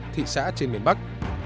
thị xã trên miền bắc